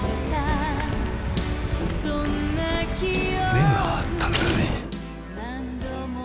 目が合ったんだね？